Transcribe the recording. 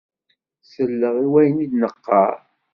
Sel-aɣ i wayen i d-neqqaṛ!